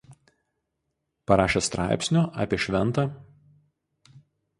Parašė straipsnių apie šv.